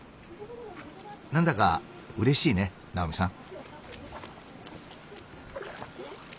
何だかうれしいね直見さん。